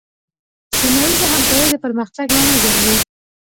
سیمه ایزه همکارۍ د پرمختګ لامل ګرځي.